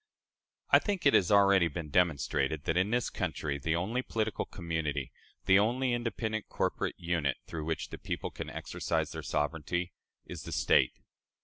I think it has already been demonstrated that, in this country, the only political community the only independent corporate unit through which the people can exercise their sovereignty, is the State.